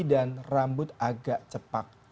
dan rambut agak cepat